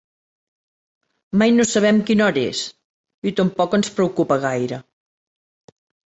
Mai no sabem quina hora és, i tampoc no ens preocupa gaire.